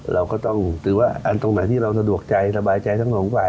เราก็ต้องถือว่าอันตรงไหนที่เราสะดวกใจสบายใจทั้งสองฝ่าย